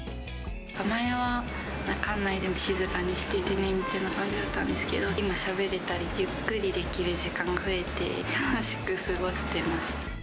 前は館内でも、静かにしててねみたいな感じだったんですけど、今、しゃべれたり、ゆっくりできる時間が増えて、楽しく過ごせてます。